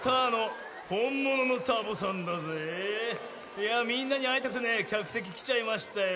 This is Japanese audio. いやみんなにあいたくてねきゃくせききちゃいましたよ。